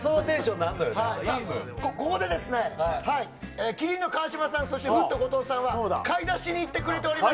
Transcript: なんのここでですね、麒麟の川島さん、そしてフット・後藤さんは買い出しに行ってくれております。